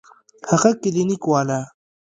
هغه کلينيک والا.